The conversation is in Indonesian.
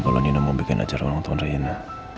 kalau nina mau bikin acara ulang tahun rena